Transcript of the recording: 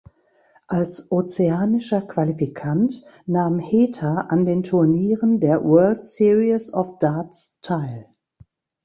Als ozeanischer Qualifikant nahm Heta an den Turnieren der World Series of Darts teil.